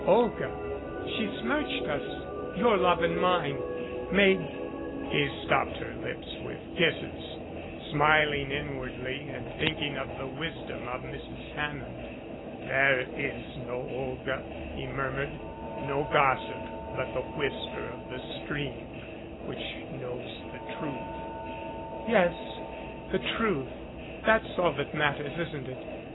Olga she smirched us your love and mine made " He stopped her lips with kisses, smiling inwardly and thinking of the wisdom of Mrs. Hammond. "There is no Olga " he murmured, "no gossip but the whisper of the stream which knows the truth." "Yes the truth. That is all that matters, isn't it?